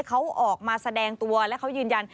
เขาออกมาแสดงตัวและเขายืนยัน